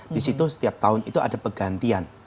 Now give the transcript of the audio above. di situ setiap tahun itu ada pergantian